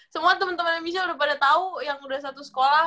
semua temen temennya michelle udah pada tau yang udah satu sekolah